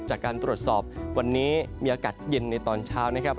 จากการตรวจสอบวันนี้มีอากาศเย็นในตอนเช้านะครับ